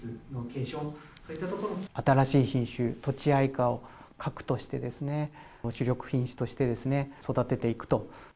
新しい品種、とちあいかを核としてですね、主力品種として育てていくと。